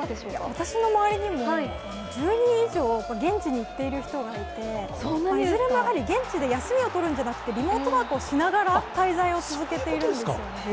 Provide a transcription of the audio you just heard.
私の周りにも、１０人以上、現地に行っている人がいて、いずれもやはり、現地で休みを取るんじゃなくて、リモートワークをしながら滞在を続けているんですよね。